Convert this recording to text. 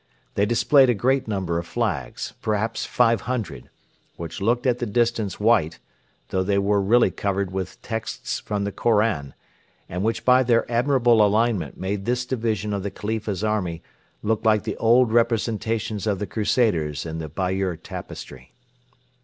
They displayed a great number of flags perhaps 500 which looked at the distance white, though they were really covered with texts from the Koran, and which by their admirable alignment made this division of the Khalifa's army look like the old representations of the Crusaders in the Bayeux tapestry.